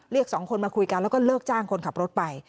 สองคนมาคุยกันแล้วก็เลิกจ้างคนขับรถไป